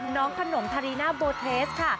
น้องขนมทารีน่าโบเทสค่ะ